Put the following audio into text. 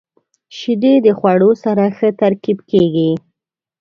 • شیدې د خوړو سره ښه ترکیب کیږي.